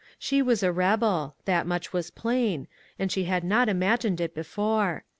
She was a rebel ; that much was plain, and she had not imagined it before.